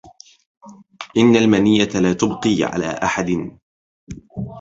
إن المنية لا تبقي على أحد